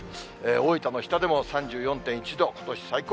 大分の日田でも３４．１度、ことし最高。